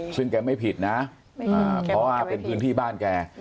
ซึ่งแกไม่ผิดนะเพราะว่าเป็นพื้นที่บ้านแก